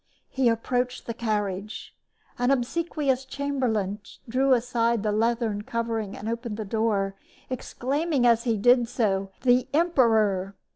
He approached the carriage. An obsequious chamberlain drew aside the leathern covering and opened the door, exclaiming as he did so, "The emperor!"